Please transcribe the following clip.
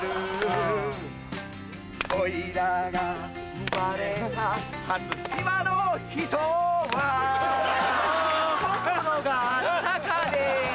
おいらが生まれた初島の人は心があったかで